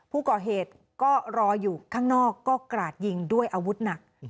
ผู้ก่อเหตุก็รออยู่ข้างนอกก็กราดยิงด้วยอาวุธหนัก